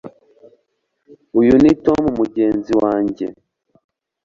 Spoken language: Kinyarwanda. Uyu ni Tom mugenzi wanjye